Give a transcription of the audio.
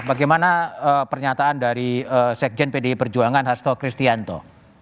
bagaimana pernyataan dari sekjen pdi perjuangan hasto kristianto